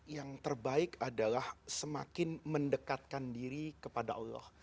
yang terbaik adalah semakin mendekatkan diri kepada allah